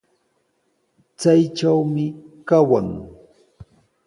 Chaytrawmi kawan.